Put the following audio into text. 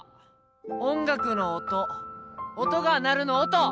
音楽の音音が鳴るの「音」